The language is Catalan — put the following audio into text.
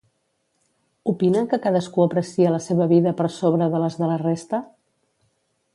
Opina que cadascú aprecia la seva vida per sobre de les de la resta?